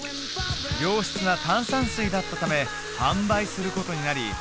良質な炭酸水だったため販売することになり